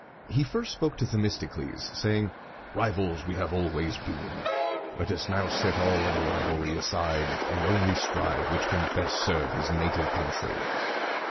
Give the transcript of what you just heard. He first spoke to Themistocles, saying, "Rivals we have always been; let us now set all other rivalry aside, and only strive which can best serve his native country."